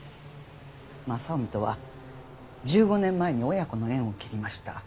雅臣とは１５年前に親子の縁を切りました。